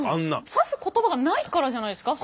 指す言葉がないからじゃないですか？